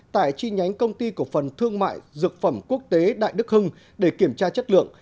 tại chi nhánh công ty cổ phần thương mại dược phẩm quốc tế đại đức hưng để kiểm tra chất lượng